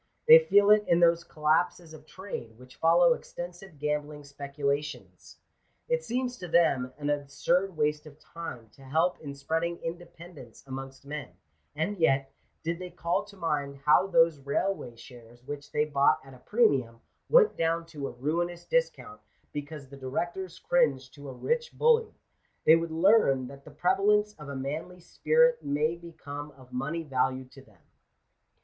They feel it in those collapses of trade, which follow extensive gam bling speculations. It seems to them an absurd waste of time to help in spreading independence amongst men ; and yet, did they call to mind how those railway shares, which they bought at a premium, went down to a ruinous discount because the directors cringed to a rich bully, they would learn that the pre valence of a manly spirit may become of money value to them.